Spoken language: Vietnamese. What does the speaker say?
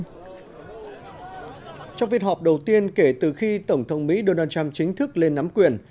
trong phiên họp đầu tiên kể từ khi tổng thống mỹ donald trump chính thức lên nắm quyền